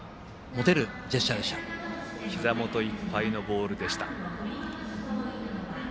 ひざ元いっぱいのボールでした。